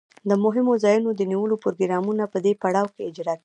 د مهمو ځایونو د نیولو پروګرامونه په دې پړاو کې اجرا کیږي.